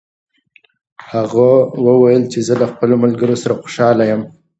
هغه وویل چې زه له خپلو ملګرو سره خوشحاله یم.